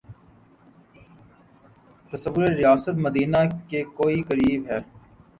تصور ریاست مدینہ کے کوئی قریب ہے۔